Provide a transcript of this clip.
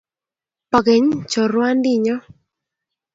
Po keny chorwandinnyo